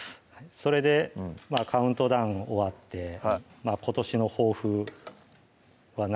それでカウントダウン終わって「今年の抱負は何？」